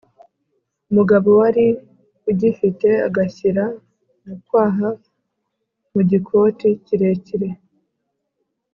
umugabo wali ugifite agishyira mu kwaha mugikoti kirekire